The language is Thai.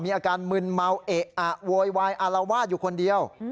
อาการมึนเมาเอะอะโวยวายอารวาสอยู่คนเดียว